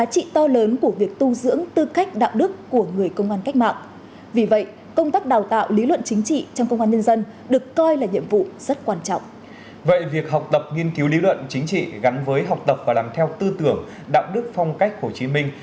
vậy việc học tập nghiên cứu lý luận chính trị gắn với học tập và làm theo tư tưởng đạo đức phong cách hồ chí minh